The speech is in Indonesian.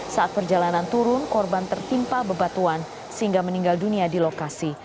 saat perjalanan turun korban tertimpa bebatuan sehingga meninggal dunia di lokasi